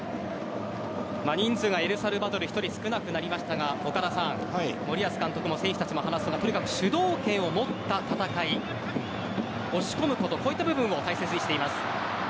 エルサルバドル人数１人少なくなりましたが森保監督も選手たちも話すのは主導権を持った戦い押し込むこと、こういった部分を大切にしています。